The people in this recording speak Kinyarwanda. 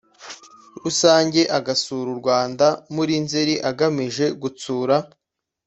Rusange agasura u rwanda muri nzeri agamije gutsura